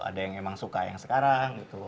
ada yang emang suka yang sekarang gitu